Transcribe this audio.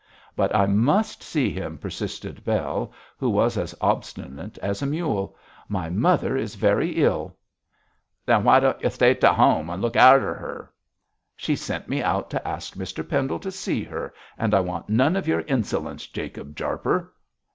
'But I must see him,' persisted Bell, who was as obstinate as a mule. 'My mother is very ill.' 'Then why don't ye stay t'ome and look arter her?' 'She sent me out to ask Mr Pendle to see her, and I want none of your insolence, Jacob Jarper.'